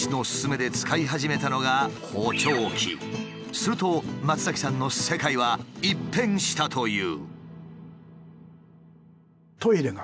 すると松崎さんの世界は一変したという。